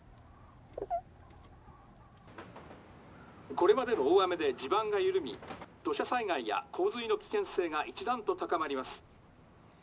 「これまでの大雨で地盤が緩み土砂災害や洪水の危険性が一段と高まります。